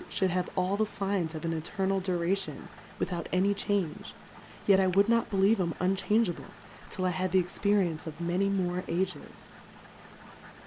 ould have all the Signs of an Eternal Duration, with out any Change ; yet I would not be lieve 'em unchangeable, till I had the .Experience of many more Ages.